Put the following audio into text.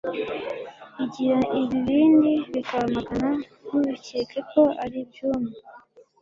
Igira ibibindi bikaba amagana, Ntubikeke ko ari iby' imwe !